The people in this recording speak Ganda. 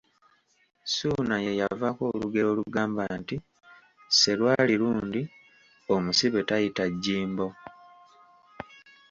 Suuna ye yavaako olugero olugamba nti, ‘Serwali lundi omusibe tayaita jjimbo.`